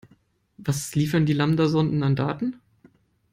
Was liefern die Lambda-Sonden an Daten?